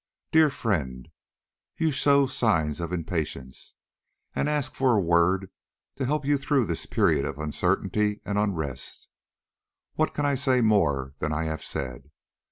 "DEAR FRIEND, You show signs of impatience, and ask for a word to help you through this period of uncertainty and unrest. What can I say more than I have said?